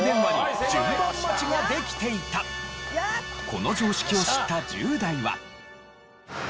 この常識を知った１０代は。